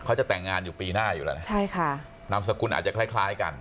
เขาจะแต่งงานอยู่ปีหน้าอยู่แล้วนะใช่ค่ะนามสกุลอาจจะคล้ายคล้ายกัน